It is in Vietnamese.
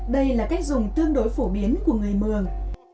đây là cách dùng tương đối phổ biến của người mường